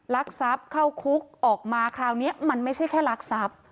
ลักษัพเข้าคุกออกมาคราวนี้มันไม่ใช่แค่ลักษัพ